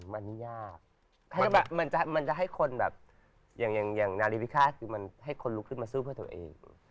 มันยากมันจะให้คนแบบอย่างนาริวิฆาตคือมันให้คนลุกขึ้นมาสู้เพื่อตัวเอง